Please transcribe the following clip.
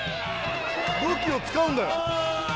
武器を使うんだよ。